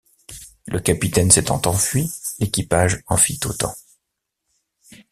Le capitaine s'étant enfui, l'équipage en fit autant.